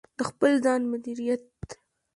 د خپل ځان مدیریت: